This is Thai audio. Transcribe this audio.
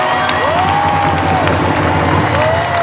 เธอยันชากันเพียงนั้นไม่เป็นไร